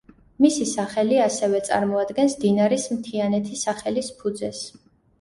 მისი სახელი ასევე წარმოადგენს დინარის მთიანეთი სახელის ფუძეს.